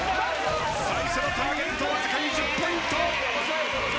最初のターゲットわずかに１０ポイント。